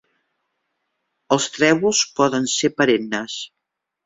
Els trèvols poden ser perennes.